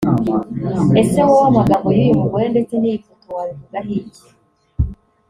Ese wowe amagambo y'uyu mugore ndetse n'iyi foto wabivugaho iki